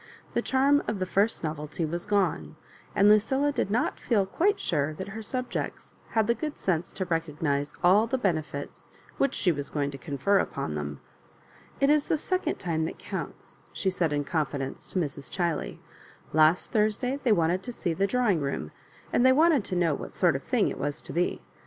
The charm of the first novelty was gone, and Lucilla did not feel quite sure that her subjects had the good sense to recognise all the benefits which she was going to confer upon them. *' It is the second time that counts," she said in confidence to Mrs. Chiley. " Last Thursday they wanted to see the drawing room, and they wanted to know what sort of thing it was to be.